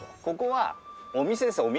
ここはお店です。